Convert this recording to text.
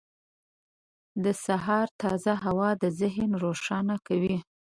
• د سهار تازه هوا ذهن روښانه کوي.